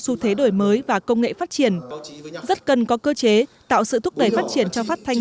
xu thế đổi mới và công nghệ phát triển rất cần có cơ chế tạo sự thúc đẩy phát triển cho phát thanh